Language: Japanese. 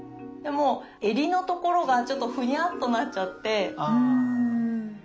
でも襟のところがちょっとふにゃっとなっちゃって。